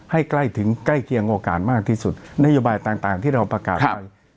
ให้ใกล้ถึงใกล้เคียงโอกาสมากที่สุดนโยบายต่างที่เราประกาศไป